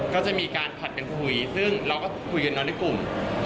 ก็จะมีการผ่านแบบนี้คุยซึ่งเราก็คุยกันคุยนั้นทั้งกลุ่ม